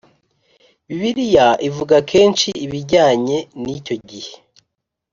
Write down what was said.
Bibiliya ivuga kenshi ibijyanye n’icyo gihe